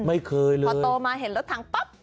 ไม่เคยเลย